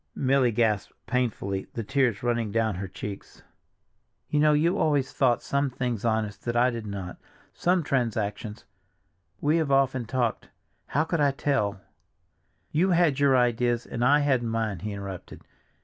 Milly gasped painfully, the tears were running down her cheeks. "You know you always thought some things honest that I did not—some transactions—we have often talked—how could I tell—" "You had your ideas and I had mine," he interrupted.